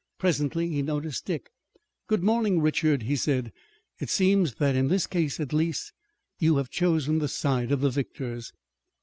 Presently he noticed Dick. "Good morning, Richard," he said. "It seems that in this case, at least, you have chosen the side of the victors."